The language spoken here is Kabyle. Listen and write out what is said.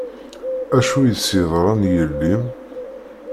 Acu i s-yeḍran i yelli-m?